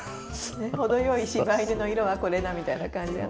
程よい、しば犬の色はこれだ、みたいな感じで。